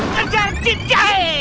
kejar cip cahir